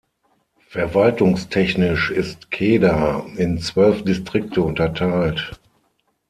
Verwaltungstechnisch ist Kedah in zwölf Distrikte unterteilt.